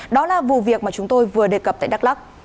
đó là vụ việc mà chúng tôi vừa đề cập tại đắk lắc